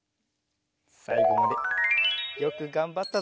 さいごまでよくがんばったぞ！